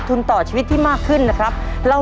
ขอบคุณครับ